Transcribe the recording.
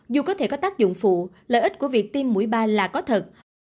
dù có thể có tác dụng phụ lợi ích của việc tiêm mũi ba là có thật